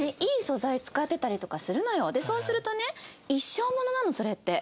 そうするとね一生モノなのそれって。